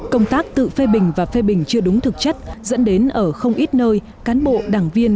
công tác tự phê bình và phê bình chưa đúng thực chất dẫn đến ở không ít nơi cán bộ đảng viên